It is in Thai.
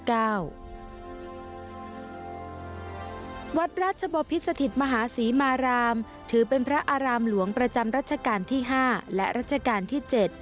วัดราชบพิษสถิตมหาศรีมารามถือเป็นพระอารามหลวงประจำรัชกาลที่๕และรัชกาลที่๗